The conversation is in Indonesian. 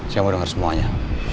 saya mau denger semuanya